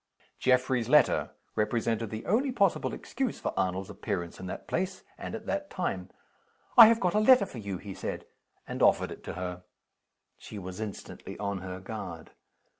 Geoffrey's letter represented the only possible excuse for Arnold's appearance in that place, and at that time. "I have got a letter for you," he said and offered it to her. She was instantly on her guard.